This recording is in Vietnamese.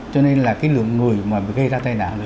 cho nên là cái lượng người mà gây ra tai nạn rất lớn